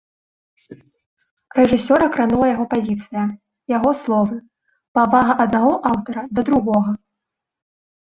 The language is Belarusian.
Рэжысёра кранула яго пазіцыя, яго словы, павага аднаго аўтара да другога.